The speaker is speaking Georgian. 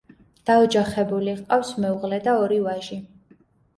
დაოჯახებული, ჰყავს მეუღლე და ორი ვაჟი.